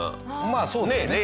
まあそうですね。